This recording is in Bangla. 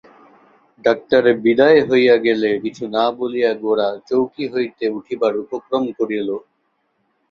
ডাক্তার বিদায় হইয়া গেলে কিছু না বলিয়া গোরা চৌকি হইতে উঠিবার উপক্রম করিল।